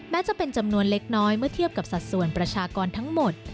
จะเป็นจำนวนเล็กน้อยเมื่อเทียบกับสัดส่วนประชากรทั้งหมด